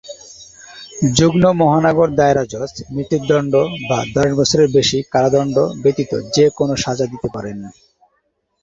যুগ্ম মহানগর দায়রা জজ মৃত্যুদণ্ড বা দশ বছরের বেশি কারাদণ্ড ব্যতীত যে কোনও সাজা দিতে পারবেন।